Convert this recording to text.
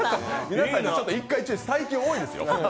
皆さんに１回注意です、最近多いですよ。